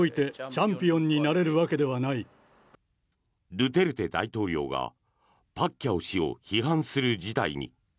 ドゥテルテ大統領がパッキャオ氏を批判する事態に。